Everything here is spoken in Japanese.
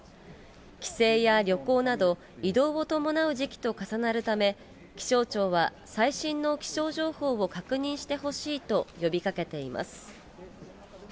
帰省や旅行など、移動を伴う時期と重なるため、気象庁は最新の気象情報を確認してほしいと呼びかけています。